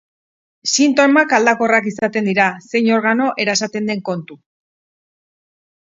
Sintomak aldakorrak izaten dira, zein organo erasaten den kontu.